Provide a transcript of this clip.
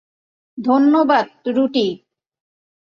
ধন্যবাদ, রুটি।